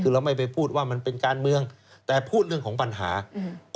คือเราไม่ไปพูดว่ามันเป็นการเมืองแต่พูดเรื่องของปัญหาอืม